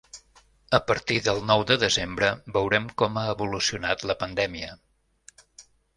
A partir del nou de desembre veurem com ha evolucionat la pandèmia.